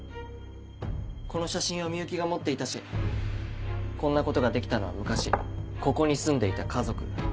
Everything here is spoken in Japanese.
この写真は美雪が持っていたしこんなことができたのは昔ここに住んでいた家族。